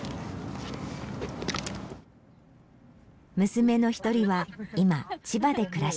娘の一人は今千葉で暮らしています。